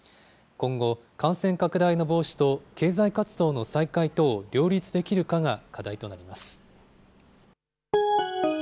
今後、感染拡大の防止と経済活動の再開とを両立できるかが課題となります。